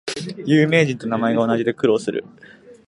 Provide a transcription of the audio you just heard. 有名人と名前が同じで苦労する